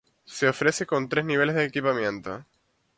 Se ofrece con tres niveles de equipamiento.